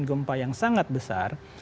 gempa yang sangat besar